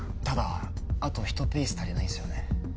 ただあと１ピース足りないんすよね。